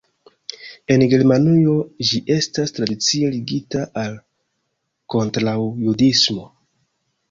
En Germanujo ĝi estas tradicie ligita al kontraŭjudismo.